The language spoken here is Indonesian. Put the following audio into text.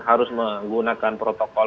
harus menggunakan protokol